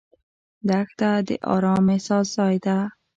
دښته د ارام احساس ځای ده.